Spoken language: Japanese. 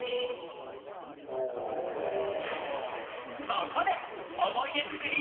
そこで思い出作り